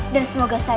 dan semoga berhasil